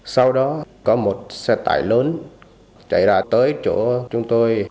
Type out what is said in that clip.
sau đó có một xe tải lớn chạy ra tới chỗ chúng tôi